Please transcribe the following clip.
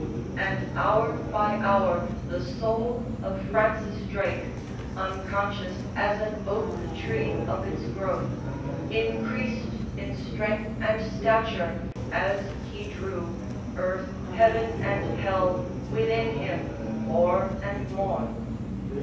And hour by hour the soul of Francis Drake, Unconscious as an oak tree of its growth, Increased in strength and stature as he drew Earth, heaven, and hell within him, more and more.